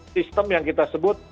sistem yang kita sebut